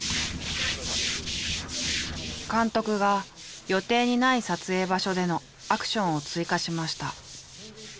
監督が予定にない撮影場所でのアクションを追加しました。